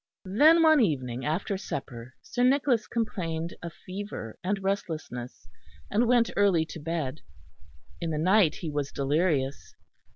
Then one evening after supper Sir Nicholas complained of fever and restlessness, and went early to bed. In the night he was delirious.